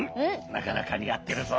なかなかにあってるぞ。